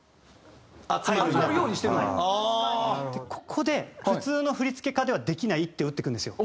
ここで普通の振付家ではできない一手を打ってくるんですよ。